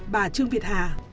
bà trương việt hà